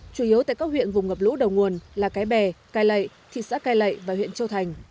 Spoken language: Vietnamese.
chủ yếu tại các huyện vùng ngập lũ đầu nguồn là cái bè cai lậy thị xã cai lậy và huyện châu thành